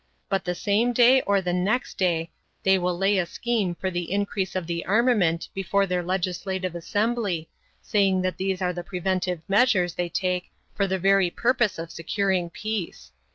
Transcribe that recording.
But the same day or the next they will lay a scheme for the increase of the armament before their legislative assembly, saying that these are the preventive measures they take for the very purpose of securing peace.